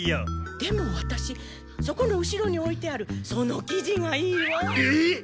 でもワタシそこの後ろにおいてあるその生地がいいわ。えっ？